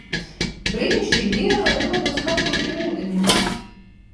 Brīnišķīga diena, lai dotos kaut kur pie ūdeņiem!